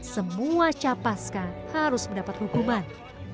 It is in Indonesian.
semua capaska harus mendapat hukuman